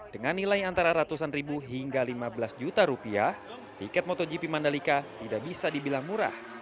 dengan nilai antara ratusan ribu hingga lima belas juta rupiah tiket motogp mandalika tidak bisa dibilang murah